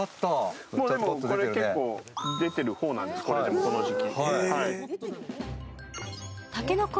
でも、これでも結構出てる方なんです、この時期。